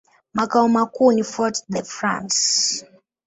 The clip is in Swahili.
Makao makuu ni Fort-de-France.